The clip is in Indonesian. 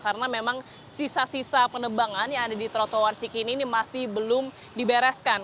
karena memang sisa sisa penebangan yang ada di trotoar cikini ini masih belum dibereskan